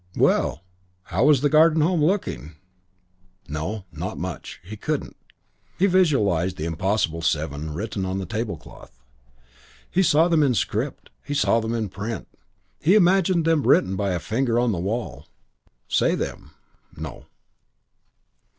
"Well, how was the Garden Home looking?" No. Not much. He couldn't. He visualised the impossible seven written on the tablecloth. He saw them in script; he saw them in print; he imagined them written by a finger on the wall. Say them no.